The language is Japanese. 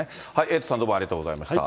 エイトさん、どうもありがとうございました。